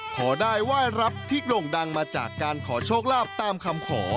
ขอได้ไหว้รับที่โด่งดังมาจากการขอโชคลาภตามคำขอ